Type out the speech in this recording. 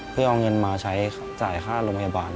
เพื่อเอาเงินมาใช้จ่ายค่าโรงพยาบาล